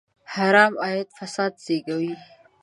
حرام عاید فساد زېږوي.